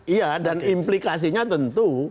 iya dan implikasinya tentu